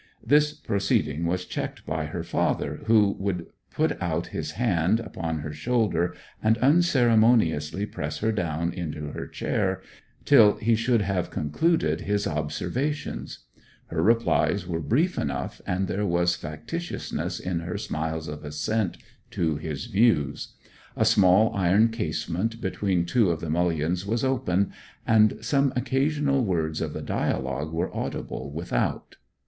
This proceeding was checked by her father, who would put his hand upon her shoulder and unceremoniously press her down into her chair, till he should have concluded his observations. Her replies were brief enough, and there was factitiousness in her smiles of assent to his views. A small iron casement between two of the mullions was open, and some occasional words of the dialogue were audible without.